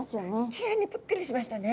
急にぷっくりしましたね。